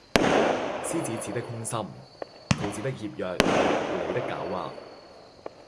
獅子似的凶心，兔子的怯弱，狐狸的狡猾，……